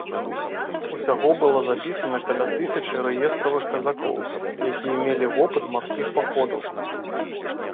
Усяго было запісана каля тысячы рэестравых казакоў, якія мелі вопыт марскіх паходаў.